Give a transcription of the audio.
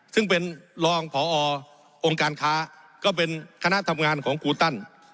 ซึ่งเป็นรองพอองค์การค้าก็เป็นคณะทำงานของครูตัน